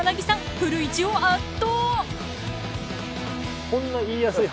古市を圧倒。